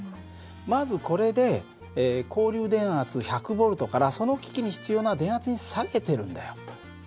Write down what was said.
まずこれで交流電圧１００Ｖからその機器に必要な電圧に下げてるんだよ。